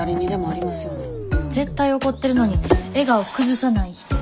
絶対怒ってるのに笑顔崩さない人。